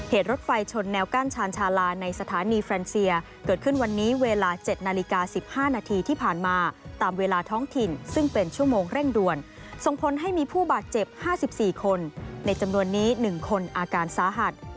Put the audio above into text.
เหตุรถไฟชนแนวกั้นชาญชาลาในสถานีแฟนเซียเกิดขึ้นวันนี้เวลา๗นาฬิกา๑๕นาทีที่ผ่านมาตามเวลาท้องถิ่นซึ่งเป็นชั่วโมงเร่งด่วนส่งผลให้มีผู้บาดเจ็บ๕๔คนในจำนวนนี้๑คนอาการสาหัส